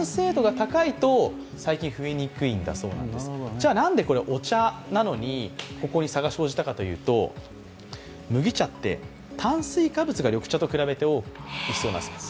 じゃあなんで、お茶なのにここに差が生じたかというと麦茶って炭水化物が緑茶と比べて多いそうなんです。